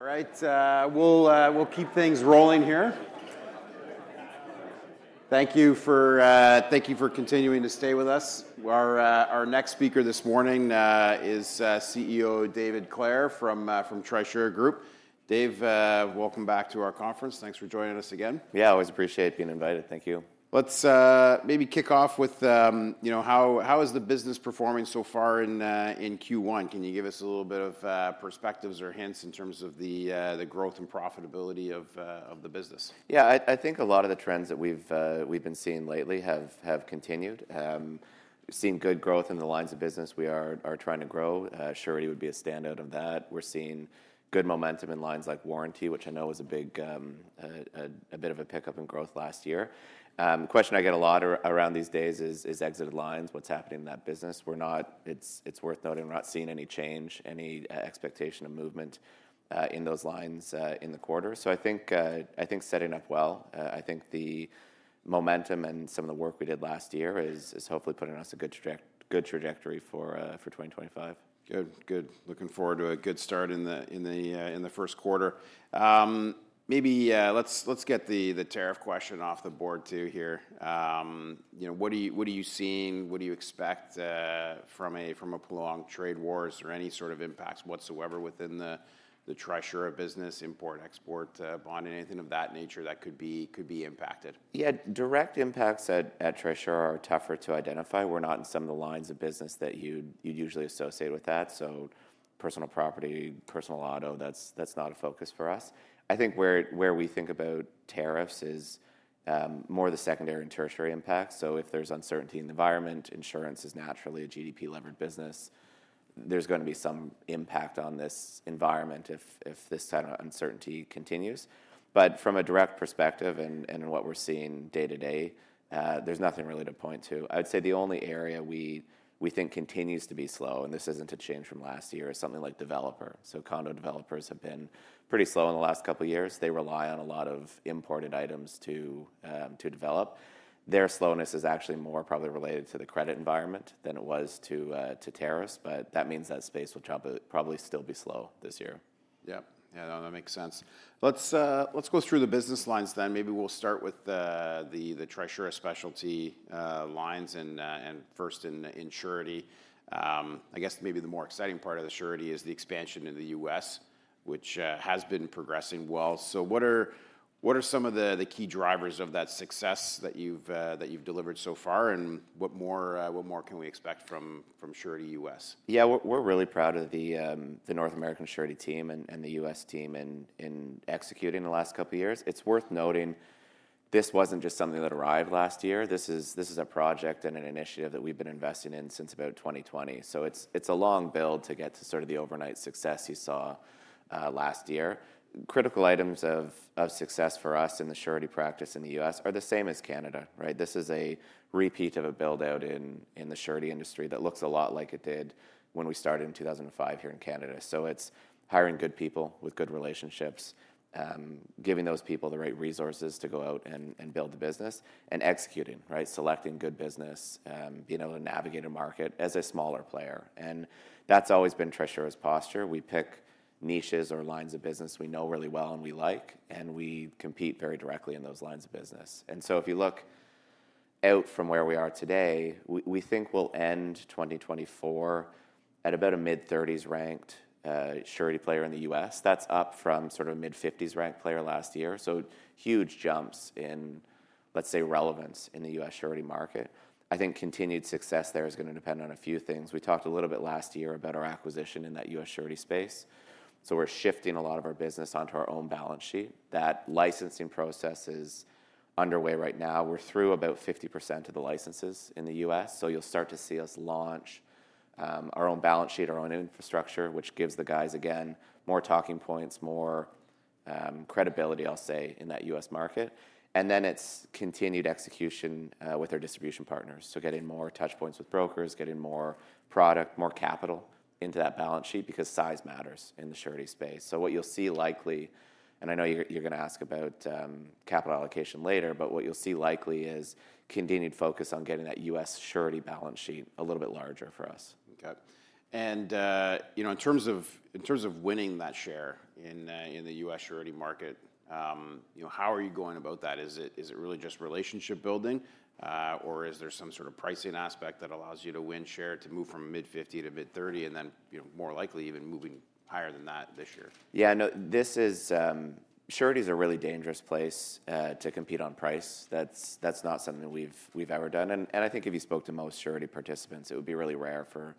All right. We'll keep things rolling here. Thank you for continuing to stay with us. Our next speaker this morning is CEO David Clare from Trisura Group. Dave, welcome back to our conference. Thanks for joining us again. Yeah, I always appreciate being invited. Thank you. Let's maybe kick off with how is the business performing so far in Q1? Can you give us a little bit of perspectives or hints in terms of the growth and profitability of the business? Yeah, I think a lot of the trends that we've been seeing lately have continued. We've seen good growth in the lines of business we are trying to grow. Surety would be a standout of that. We're seeing good momentum in lines like Warranty, which I know was a bit of a pickup in growth last year. The question I get a lot around these days is Exited lines, what's happening in that business? It's worth noting we're not seeing any change, any expectation of movement in those lines in the quarter. I think setting up well. I think the momentum and some of the work we did last year is hopefully putting us in a good trajectory for 2025. Good. Good. Looking forward to a good start in the first quarter. Maybe let's get the tariff question off the board too here. What are you seeing? What do you expect from a prolonged trade war? Is there any sort of impacts whatsoever within the Trisura business, import/export bond, anything of that nature that could be impacted? Yeah, direct impacts at Trisura are tougher to identify. We're not in some of the lines of business that you'd usually associate with that. Personal property, personal auto, that's not a focus for us. I think where we think about tariffs is more of the secondary and tertiary impacts. If there's uncertainty in the environment, insurance is naturally a GDP-levered business. There's going to be some impact on this environment if this kind of uncertainty continues. From a direct perspective and what we're seeing day to day, there's nothing really to point to. I would say the only area we think continues to be slow, and this isn't a change from last year, is something like developer. Condo developers have been pretty slow in the last couple of years. They rely on a lot of imported items to develop. Their slowness is actually more probably related to the credit environment than it was to tariffs. That means that space will probably still be slow this year. Yeah. Yeah, no, that makes sense. Let's go through the business lines then. Maybe we'll start with the Trisura specialty lines and first in Surety. I guess maybe the more exciting part of the Surety is the expansion in the U.S., which has been progressing well. What are some of the key drivers of that success that you've delivered so far, and what more can we expect from Surety U.S.? Yeah, we're really proud of the North American Surety team and the U.S. team in executing the last couple of years. It's worth noting this wasn't just something that arrived last year. This is a project and an initiative that we've been investing in since about 2020. It is a long build to get to sort of the overnight success you saw last year. Critical items of success for us in the Surety practice in the U.S. are the same as Canada, right? This is a repeat of a build-out in the Surety industry that looks a lot like it did when we started in 2005 here in Canada. It is hiring good people with good relationships, giving those people the right resources to go out and build the business, and executing, right? Selecting good business, being able to navigate a market as a smaller player. That has always been Trisura's posture. We pick niches or lines of business we know really well and we like, and we compete very directly in those lines of business. If you look out from where we are today, we think we will end 2024 at about a mid-30s ranked Surety player in the U.S. That is up from sort of a mid-50s ranked player last year. Huge jumps in, let's say, relevance in the U.S. Surety market. I think continued success there is going to depend on a few things. We talked a little bit last year about our acquisition in that U.S. Surety space. We are shifting a lot of our business onto our own balance sheet. That licensing process is underway right now. We are through about 50% of the licenses in the U.S. You'll start to see us launch our own balance sheet, our own infrastructure, which gives the guys, again, more talking points, more credibility, I'll say, in that U.S. market. Then it's continued execution with our distribution partners. Getting more touchpoints with brokers, getting more product, more capital into that balance sheet because size matters in the Surety space. What you'll see likely, and I know you're going to ask about capital allocation later, but what you'll see likely is continued focus on getting that U.S. Surety balance sheet a little bit larger for us. Okay. In terms of winning that share in the U.S. Surety market, how are you going about that? Is it really just relationship building, or is there some sort of pricing aspect that allows you to win share, to move from mid-50 to mid-30, and then more likely even moving higher than that this year? Yeah, no, Surety is a really dangerous place to compete on price. That's not something we've ever done. I think if you spoke to most Surety participants, it would be really rare for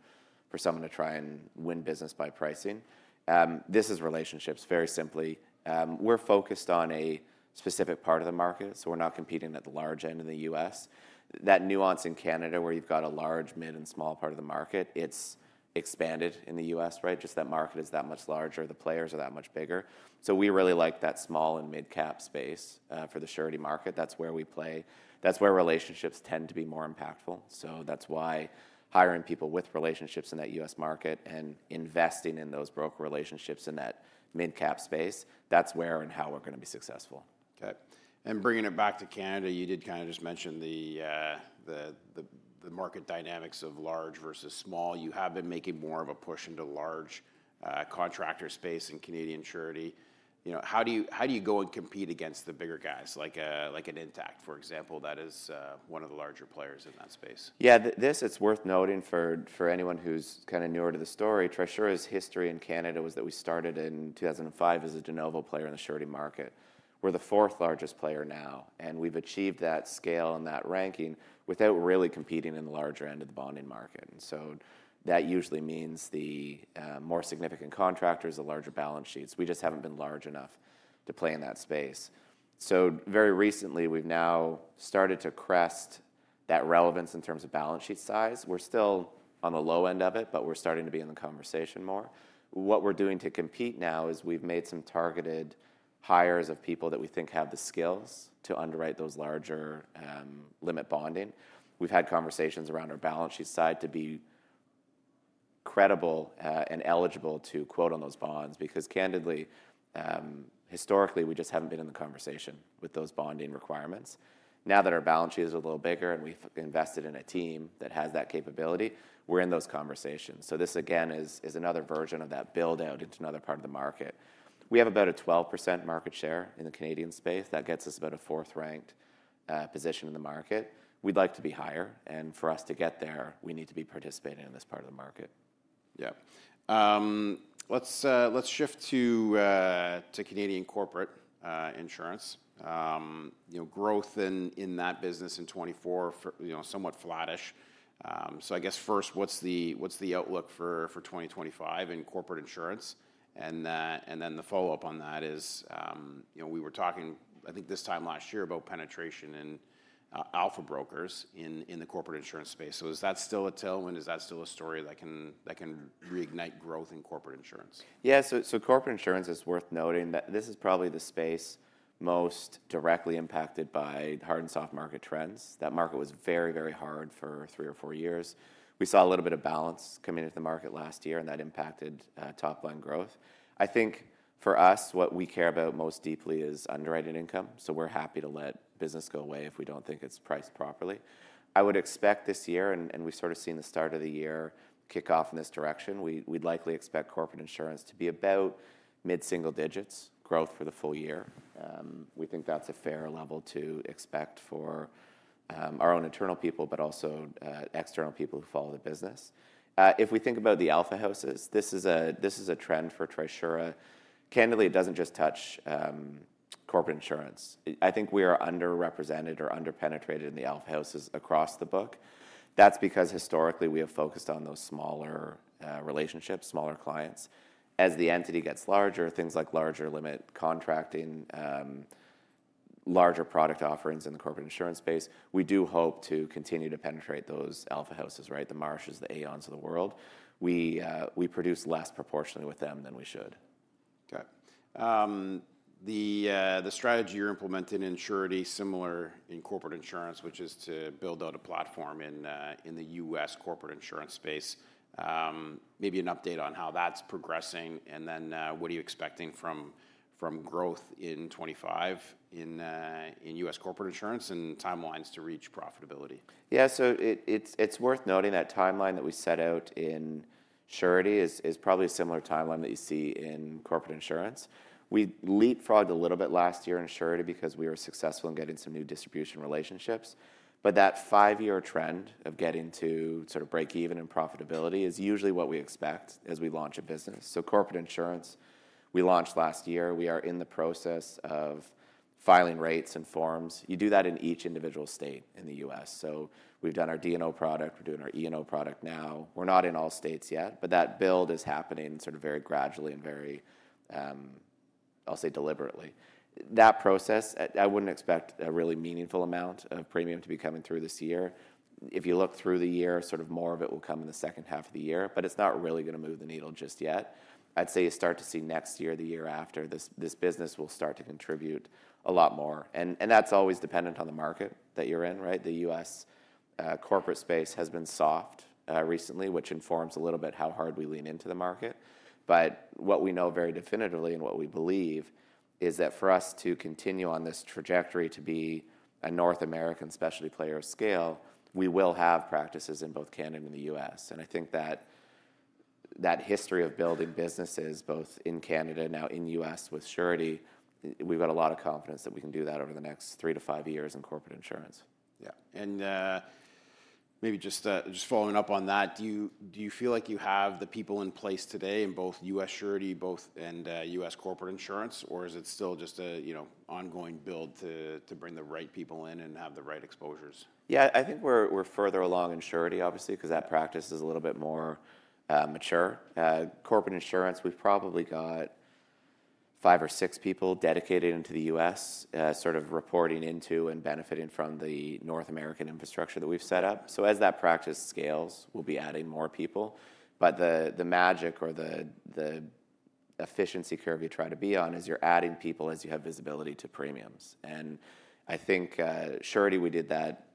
someone to try and win business by pricing. This is relationships, very simply. We're focused on a specific part of the market, so we're not competing at the large end in the U.S. That nuance in Canada where you've got a large, mid, and small part of the market, it's expanded in the U.S., right? Just that market is that much larger, the players are that much bigger. We really like that small and mid-cap space for the Surety market. That's where we play. That's where relationships tend to be more impactful. That's why hiring people with relationships in that U.S. market and investing in those broker relationships in that mid-cap space, that's where and how we're going to be successful. Okay. Bringing it back to Canada, you did kind of just mention the market dynamics of large versus small. You have been making more of a push into large contractor space in Canadian Surety. How do you go and compete against the bigger guys, like an Intact, for example, that is one of the larger players in that space? Yeah, it's worth noting for anyone who's kind of newer to the story. Trisura's history in Canada was that we started in 2005 as a de novo player in the Surety market. We're the fourth largest player now, and we've achieved that scale and that ranking without really competing in the larger end of the bonding market. That usually means the more significant contractors, the larger balance sheets. We just haven't been large enough to play in that space. Very recently, we've now started to crest that relevance in terms of balance sheet size. We're still on the low end of it, but we're starting to be in the conversation more. What we're doing to compete now is we've made some targeted hires of people that we think have the skills to underwrite those larger limit bonding. We've had conversations around our balance sheet side to be credible and eligible to quote on those bonds because, candidly, historically, we just haven't been in the conversation with those bonding requirements. Now that our balance sheet is a little bigger and we've invested in a team that has that capability, we're in those conversations. This, again, is another version of that build-out into another part of the market. We have about a 12% market share in the Canadian space. That gets us about a fourth-ranked position in the market. We'd like to be higher. For us to get there, we need to be participating in this part of the market. Yeah. Let's shift to Canadian Corporate Insurance. Growth in that business in 2024, somewhat flattish. I guess first, what's the outlook for 2025 in Corporate Insurance? The follow-up on that is we were talking, I think this time last year, about penetration in alpha brokers in the Corporate Insurance space. Is that still a tailwind? Is that still a story that can reignite growth in Corporate Insurance? Yeah, so Corporate Insurance is worth noting that this is probably the space most directly impacted by hard and soft market trends. That market was very, very hard for three or four years. We saw a little bit of balance coming into the market last year, and that impacted top-line growth. I think for us, what we care about most deeply is underwriting income. So we're happy to let business go away if we don't think it's priced properly. I would expect this year, and we've sort of seen the start of the year kick off in this direction, we'd likely expect Corporate Insurance to be about mid-single digits growth for the full year. We think that's a fair level to expect for our own internal people, but also external people who follow the business. If we think about the alpha houses, this is a trend for Trisura. Candidly, it doesn't just touch Corporate Insurance. I think we are underrepresented or underpenetrated in the alpha houses across the book. That's because historically we have focused on those smaller relationships, smaller clients. As the entity gets larger, things like larger limit contracting, larger product offerings in the Corporate Insurance space, we do hope to continue to penetrate those alpha houses, right? The Marshes the Aons of the world. We produce less proportionately with them than we should. Okay. The strategy you're implementing in Surety, similar in Corporate Insurance, which is to build out a platform in the U.S. Corporate Insurance space. Maybe an update on how that's progressing. What are you expecting from growth in 2025 in U.S. Corporate Insurance and timelines to reach profitability? Yeah, so it's worth noting that timeline that we set out in Surety is probably a similar timeline that you see in Corporate Insurance. We leapfrogged a little bit last year in Surety because we were successful in getting some new distribution relationships. But that five-year trend of getting to sort of break-even and profitability is usually what we expect as we launch a business. So Corporate Insurance, we launched last year. We are in the process of filing rates and forms. You do that in each individual state in the U.S. So we've done our D&O product. We're doing our E&O product now. We're not in all states yet, but that build is happening sort of very gradually and very, I'll say, deliberately. That process, I wouldn't expect a really meaningful amount of premium to be coming through this year. If you look through the year, sort of more of it will come in the second half of the year, but it's not really going to move the needle just yet. I'd say you start to see next year, the year after, this business will start to contribute a lot more. That is always dependent on the market that you're in, right? The U.S. Corporate space has been soft recently, which informs a little bit how hard we lean into the market. What we know very definitively and what we believe is that for us to continue on this trajectory to be a North American specialty player of scale, we will have practices in both Canada and the U.S. I think that history of building businesses both in Canada and now in the U.S. with Surety, we've got a lot of confidence that we can do that over the next three to five years in Corporate Insurance. Yeah. Maybe just following up on that, do you feel like you have the people in place today in both U.S. Surety and U.S. Corporate Insurance, or is it still just an ongoing build to bring the right people in and have the right exposures? Yeah, I think we're further along in Surety, obviously, because that practice is a little bit more mature. Corporate Insurance, we've probably got five or six people dedicated into the U.S., sort of reporting into and benefiting from the North American infrastructure that we've set up. As that practice scales, we'll be adding more people. The magic or the efficiency curve you try to be on is you're adding people as you have visibility to premiums. I think Surety, we did that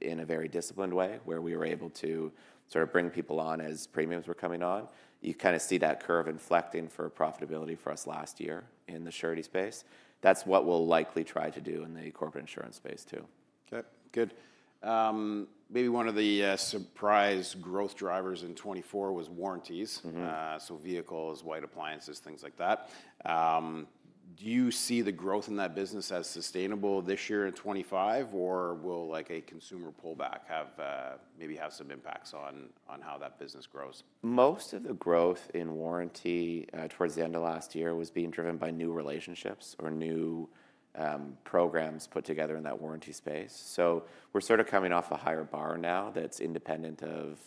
in a very disciplined way where we were able to sort of bring people on as premiums were coming on. You kind of see that curve inflecting for profitability for us last year in the Surety space. That's what we'll likely try to do in the Corporate Insurance space too. Okay. Good. Maybe one of the surprise growth drivers in 2024 was warranties. So vehicles, white appliances, things like that. Do you see the growth in that business as sustainable this year in 2025, or will a consumer pullback maybe have some impacts on how that business grows? Most of the growth in Warranty towards the end of last year was being driven by new relationships or new programs put together in that Warranty space. We are sort of coming off a higher bar now that is independent of,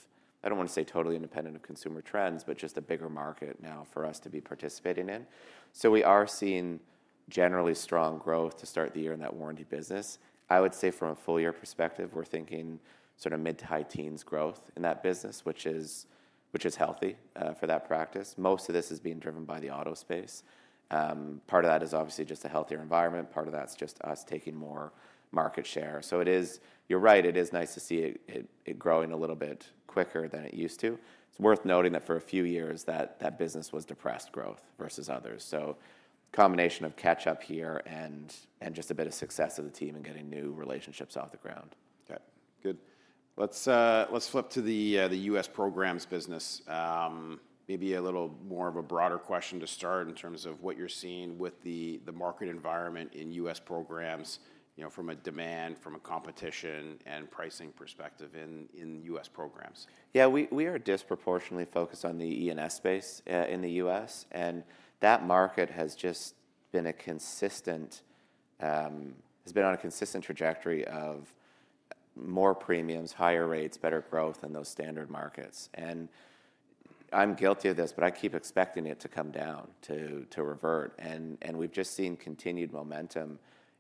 I do not want to say totally independent of consumer trends, but just a bigger market now for us to be participating in. We are seeing generally strong growth to start the year in that Warranty business. I would say from a full-year perspective, we are thinking sort of mid-to-high teens growth in that business, which is healthy for that practice. Most of this is being driven by the auto space. Part of that is obviously just a healthier environment. Part of that is just us taking more market share. You are right, it is nice to see it growing a little bit quicker than it used to. It's worth noting that for a few years, that business was depressed growth versus others. A combination of catch-up here and just a bit of success of the team and getting new relationships off the ground. Okay. Good. Let's flip to the U.S. Programs business. Maybe a little more of a broader question to start in terms of what you're seeing with the market environment in U.S. Programs from a demand, from a competition and pricing perspective in U.S. Programs. Yeah, we are disproportionately focused on the E&S space in the U.S. That market has just been on a consistent trajectory of more premiums, higher rates, better growth in those standard markets. I'm guilty of this, but I keep expecting it to come down, to revert. We've just seen continued momentum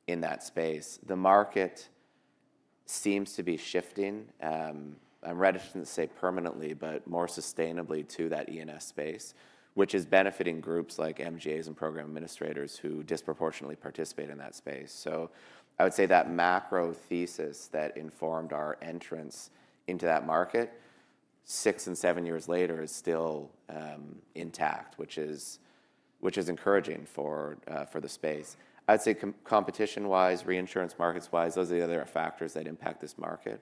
in that space. The market seems to be shifting. I'm reticent to say permanently, but more sustainably to that E&S space, which is benefiting groups like MGAs and program administrators who disproportionately participate in that space. I would say that macro thesis that informed our entrance into that market six and seven years later is still intact, which is encouraging for the space. I'd say competition-wise, reinsurance markets-wise, those are the other factors that impact this market.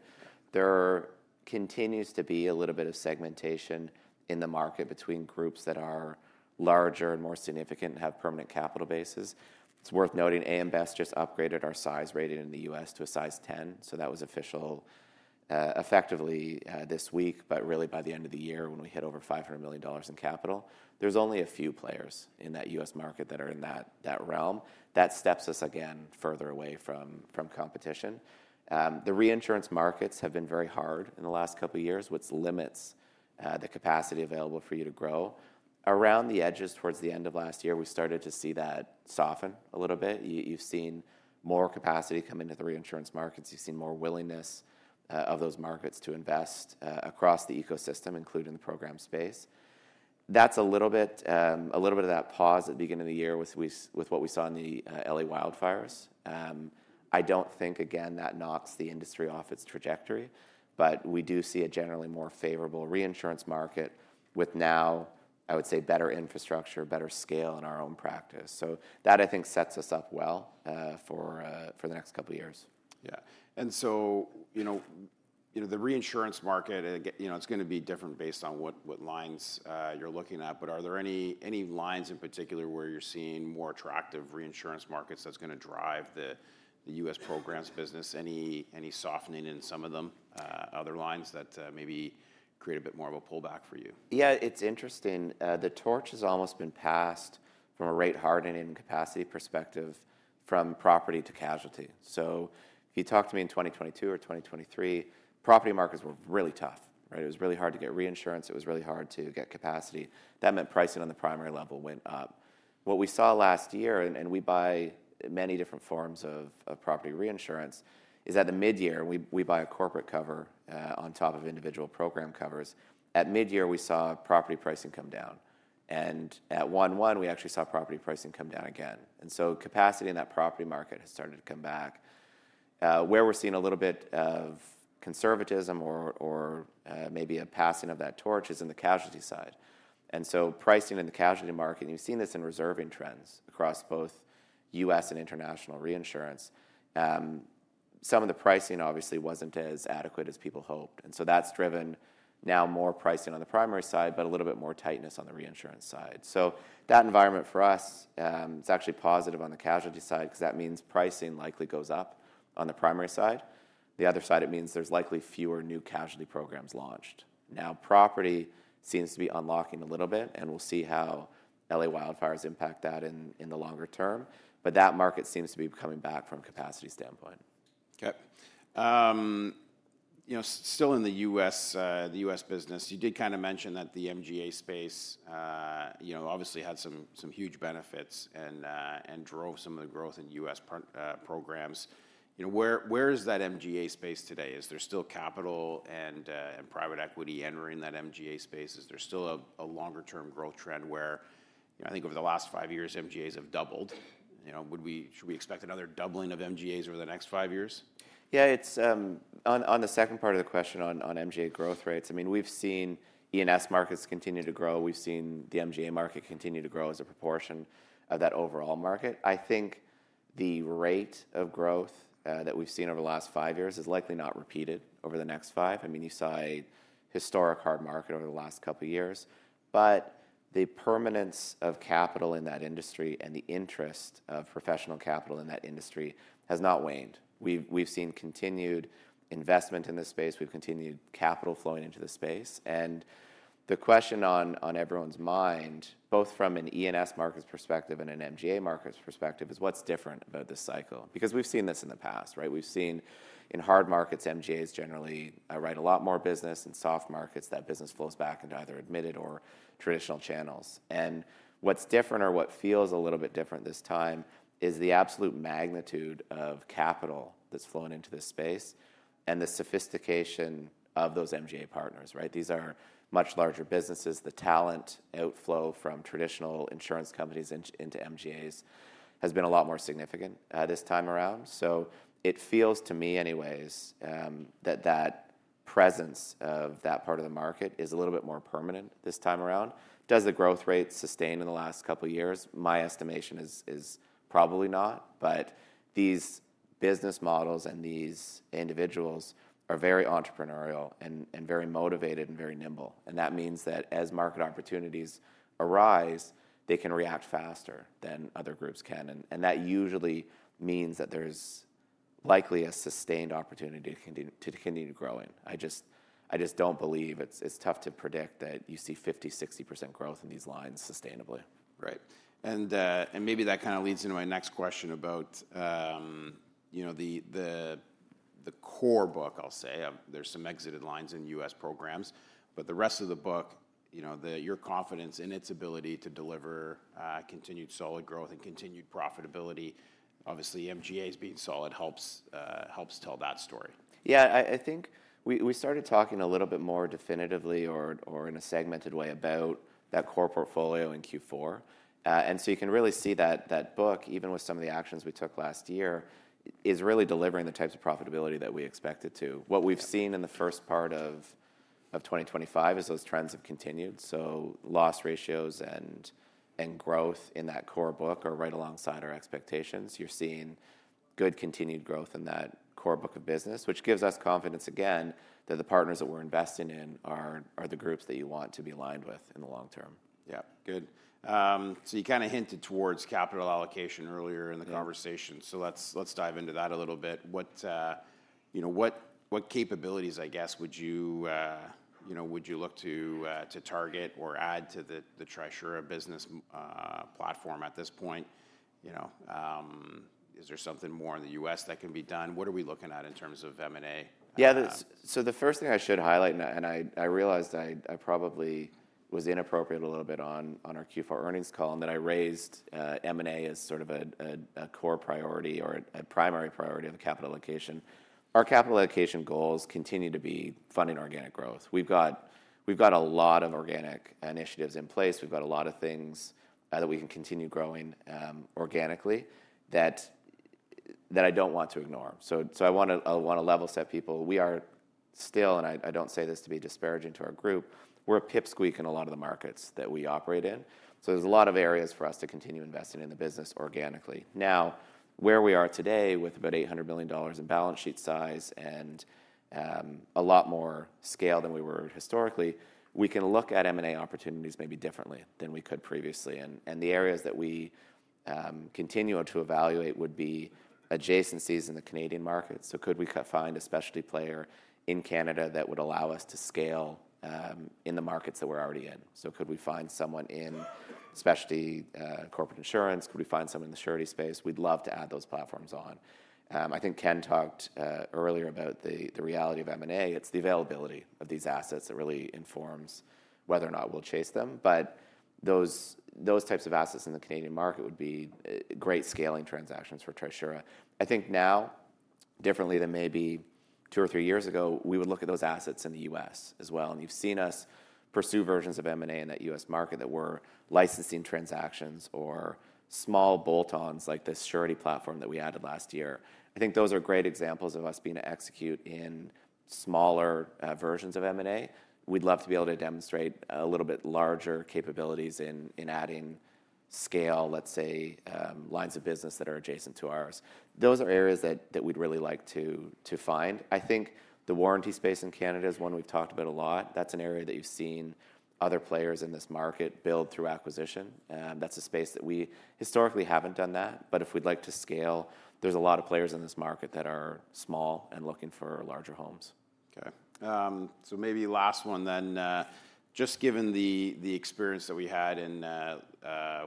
There continues to be a little bit of segmentation in the market between groups that are larger and more significant and have permanent capital bases. It's worth noting A.M. Best just upgraded our size rating in the U.S. to a Size 10. That was official effectively this week, but really by the end of the year when we hit over $500 million in capital. There's only a few players in that U.S. market that are in that realm. That steps us again further away from competition. The reinsurance markets have been very hard in the last couple of years, which limits the capacity available for you to grow. Around the edges towards the end of last year, we started to see that soften a little bit. You've seen more capacity come into the reinsurance markets. You've seen more willingness of those markets to invest across the ecosystem, including the program space. That's a little bit of that pause at the beginning of the year with what we saw in the LA wildfires. I don't think, again, that knocks the industry off its trajectory, but we do see a generally more favorable reinsurance market with now, I would say, better infrastructure, better scale in our own practice. That, I think, sets us up well for the next couple of years. Yeah. The reinsurance market, it's going to be different based on what lines you're looking at, but are there any lines in particular where you're seeing more attractive reinsurance markets that's going to drive the U.S. Programs business? Any softening in some of them, other lines that maybe create a bit more of a pullback for you? Yeah, it's interesting. The torch has almost been passed from a rate hardening and capacity perspective from property to casualty. If you talk to me in 2022 or 2023, property markets were really tough, right? It was really hard to get reinsurance. It was really hard to get capacity. That meant pricing on the primary level went up. What we saw last year, and we buy many different forms of property reinsurance, is at the mid-year, we buy a corporate cover on top of individual program covers. At mid-year, we saw property pricing come down. At one-one, we actually saw property pricing come down again. Capacity in that property market has started to come back. Where we're seeing a little bit of conservatism or maybe a passing of that torch is in the casualty side. Pricing in the casualty market, and you've seen this in reserving trends across both U.S. and international reinsurance, some of the pricing obviously was not as adequate as people hoped. That has driven now more pricing on the primary side, but a little bit more tightness on the reinsurance side. That environment for us is actually positive on the casualty side because that means pricing likely goes up on the primary side. The other side, it means there are likely fewer new casualty programs launched. Now, property seems to be unlocking a little bit, and we'll see how LA wildfires impact that in the longer term. That market seems to be coming back from a capacity standpoint. Okay. Still in the U.S. business, you did kind of mention that the MGA space obviously had some huge benefits and drove some of the growth in U.S. Programs. Where is that MGA space today? Is there still capital and private equity entering that MGA space? Is there still a longer-term growth trend where I think over the last five years, MGAs have doubled? Should we expect another doubling of MGAs over the next five years? Yeah, on the second part of the question on MGA growth rates, I mean, we've seen E&S markets continue to grow. We've seen the MGA market continue to grow as a proportion of that overall market. I think the rate of growth that we've seen over the last five years is likely not repeated over the next five. You saw a historic hard market over the last couple of years. The permanence of capital in that industry and the interest of professional capital in that industry has not waned. We've seen continued investment in this space. We've continued capital flowing into the space. The question on everyone's mind, both from an E&S market's perspective and an MGA market's perspective, is what's different about this cycle? Because we've seen this in the past, right? We've seen in hard markets, MGAs generally write a lot more business. In soft markets, that business flows back into either admitted or traditional channels. What's different or what feels a little bit different this time is the absolute magnitude of capital that's flowing into this space and the sophistication of those MGA partners, right? These are much larger businesses. The talent outflow from traditional insurance companies into MGAs has been a lot more significant this time around. It feels to me anyways that that presence of that part of the market is a little bit more permanent this time around. Does the growth rate sustain in the last couple of years? My estimation is probably not, but these business models and these individuals are very entrepreneurial and very motivated and very nimble. That means that as market opportunities arise, they can react faster than other groups can. That usually means that there's likely a sustained opportunity to continue growing. I just don't believe it's tough to predict that you see 50%-60% growth in these lines sustainably. Right. Maybe that kind of leads into my next question about the core book, I'll say. There are some Exited lines in U.S. Programs, but the rest of the book, your confidence in its ability to deliver continued solid growth and continued profitability, obviously MGAs being solid helps tell that story. Yeah, I think we started talking a little bit more definitively or in a segmented way about that core portfolio in Q4. You can really see that book, even with some of the actions we took last year, is really delivering the types of profitability that we expected to. What we've seen in the first part of 2025 is those trends have continued. Loss ratios and growth in that core book are right alongside our expectations. You're seeing good continued growth in that core book of business, which gives us confidence again that the partners that we're investing in are the groups that you want to be aligned with in the long term. Yeah. Good. You kind of hinted towards capital allocation earlier in the conversation. Let's dive into that a little bit. What capabilities, I guess, would you look to target or add to the Trisura business platform at this point? Is there something more in the U.S. that can be done? What are we looking at in terms of M&A? Yeah. The first thing I should highlight, and I realized I probably was inappropriate a little bit on our Q4 earnings call, in that I raised M&A as sort of a core priority or a primary priority of capital allocation. Our capital allocation goals continue to be funding organic growth. We've got a lot of organic initiatives in place. We've got a lot of things that we can continue growing organically that I don't want to ignore. I want to level set people. We are still, and I don't say this to be disparaging to our group, we're a pipsqueak in a lot of the markets that we operate in. There are a lot of areas for us to continue investing in the business organically. Now, where we are today with about $800 million in balance sheet size and a lot more scale than we were historically, we can look at M&A opportunities maybe differently than we could previously. The areas that we continue to evaluate would be adjacencies in the Canadian markets. Could we find a specialty player in Canada that would allow us to scale in the markets that we're already in? Could we find someone in specialty Corporate Insurance? Could we find someone in the surety space? We'd love to add those platforms on. I think Ken talked earlier about the reality of M&A. It's the availability of these assets that really informs whether or not we'll chase them. Those types of assets in the Canadian market would be great scaling transactions for Trisura. I think now, differently than maybe two or three years ago, we would look at those assets in the U.S. as well. You have seen us pursue versions of M&A in that U.S. market that were licensing transactions or small bolt-ons like this surety platform that we added last year. I think those are great examples of us being able to execute in smaller versions of M&A. We would love to be able to demonstrate a little bit larger capabilities in adding scale, let's say, lines of business that are adjacent to ours. Those are areas that we would really like to find. I think the Warranty space in Canada is one we have talked about a lot. That is an area that you have seen other players in this market build through acquisition. That is a space that we historically have not done that. If we'd like to scale, there's a lot of players in this market that are small and looking for larger homes. Okay. Maybe last one then, just given the experience that we had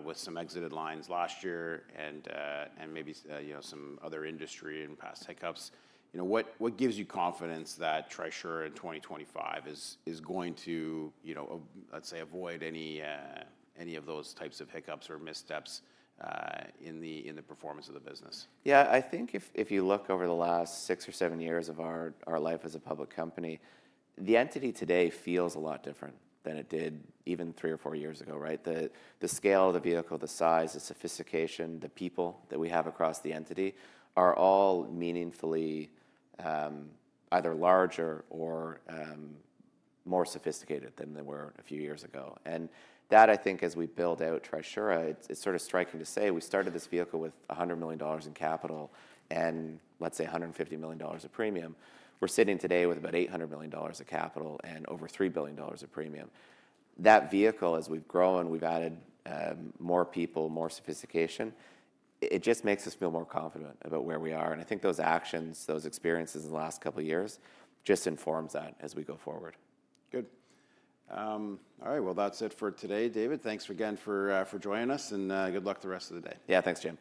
with some Exited lines last year and maybe some other industry and past hiccups, what gives you confidence that Trisura in 2025 is going to, let's say, avoid any of those types of hiccups or missteps in the performance of the business? Yeah, I think if you look over the last six or seven years of our life as a public company, the entity today feels a lot different than it did even three or four years ago, right? The scale, the vehicle, the size, the sophistication, the people that we have across the entity are all meaningfully either larger or more sophisticated than they were a few years ago. That, I think, as we build out Trisura, it's sort of striking to say we started this vehicle with $100 million in capital and let's say $150 million of premium. We're sitting today with about $800 million of capital and over $3 billion of premium. That vehicle, as we've grown and we've added more people, more sophistication, it just makes us feel more confident about where we are. I think those actions, those experiences in the last couple of years just informs that as we go forward. Good. All right. That's it for today, David. Thanks again for joining us and good luck the rest of the day. Yeah, thanks, Jim.